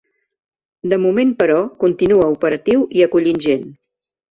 De moment, però, continua operatiu i acollint gent.